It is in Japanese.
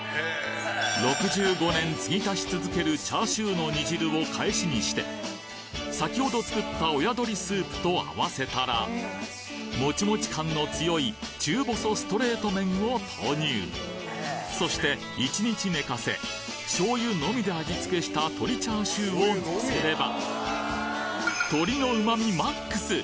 ６５年継ぎ足し続けるチャーシューの煮汁を返しにして先ほど作った親鶏スープと合わせたらモチモチ感の強い中細ストレート麺を投入そして１日寝かせ醤油のみで味付けした鶏チャーシューをのせれば鶏のうまみＭＡＸ！